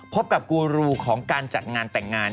พบกับกูรูของการจัดงานแต่งงาน